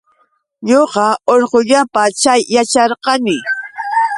Ñuqa urqullapa chay yacharqani.